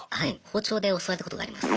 包丁で襲われたことがあります。